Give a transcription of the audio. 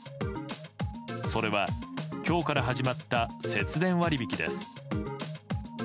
それは今日から始まった節電割引です。